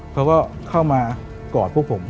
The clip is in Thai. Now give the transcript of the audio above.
เขาก็เข้ามากอดพวกผม